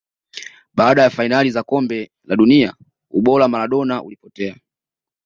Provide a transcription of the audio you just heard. Baada ya fainali za kombe la dunia ubora wa Maradona ulipotea